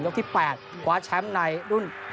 ที่๘คว้าแชมป์ในรุ่น